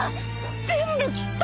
全部斬った！